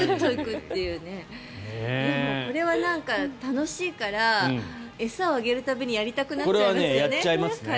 これは楽しいから餌をあげる度やりたくなっちゃいますよね。